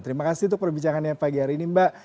terima kasih untuk perbicaraannya pagi hari ini mbak